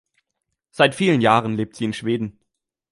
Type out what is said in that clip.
Seit vielen Jahren lebt sie in Schweden.